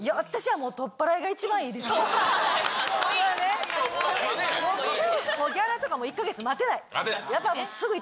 もうギャラとかも１か月待てない。